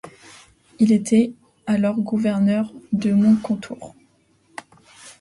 Il était alors gouverneur de Moncontour.